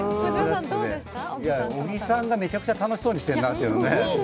小木さんがめちゃくちゃ楽しそうにしてんなっていう。